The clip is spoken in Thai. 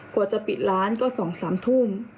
กว่าจะปิดร้านก็๒๓ทุ่ม